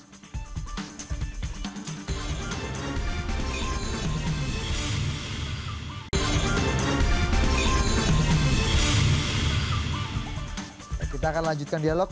baik kita akan lanjutkan dialog